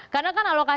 karena kan alokasi ada